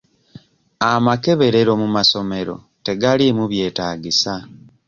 Amakeberero mu masomero tegaliimu byetaagisa.